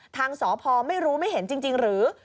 ทางสพไม่รู้ไม่เห็นจริงหรือ